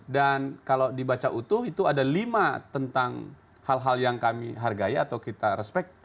dan kalau dibaca utuh itu ada lima tentang hal hal yang kami hargai atau kita respect